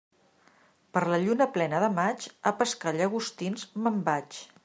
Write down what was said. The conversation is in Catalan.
Per la lluna plena de maig, a pescar llagostins me'n vaig.